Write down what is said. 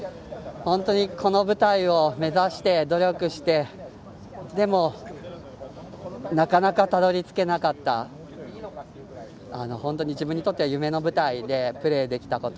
この舞台を目指して努力してでも、なかなかたどり着けなかった本当に自分にとっては夢の舞台でプレーできたこと。